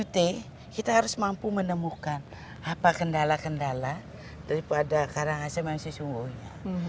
tiga t kita harus mampu menemukan apa kendala kendala daripada karangasem yang sesungguhnya